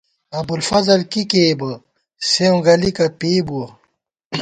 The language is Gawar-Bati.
ابُوالفضل کی کېئ بہ ، سېوں گَلِکہ پېئ بُوَہ